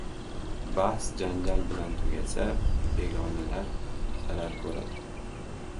• Bahs janjal bilan tugasa, begonalar zarar ko‘radi.